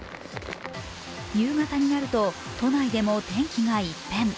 夕方になると都内でも天気が一変。